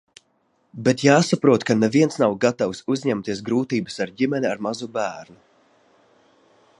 Bet jāsaprot, ka neviens nav gatavs uzņemties grūtības ar ģimeni ar mazu bērnu.